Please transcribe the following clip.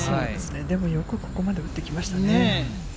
でもよくここまで打ってきましたね。